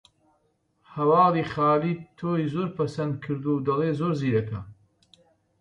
هەواڵی خالید تۆی زۆر پەسند کردووە و دەڵێ زۆر زیرەکە